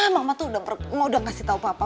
mama tuh udah ngasih tau papa